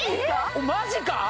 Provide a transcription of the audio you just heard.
「マジか？